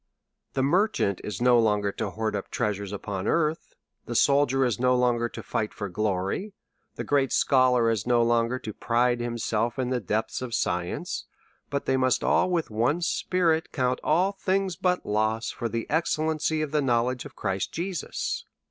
The merchant is no longer to hoard up treasures uport earth ; the soldier is no longer to fight for glory ; the great scholar is no long'er to pride himself in the depths of science ; but they must all with one spirit, count all things but loss for the excellence/ of the knoioledge of Christ Jesus.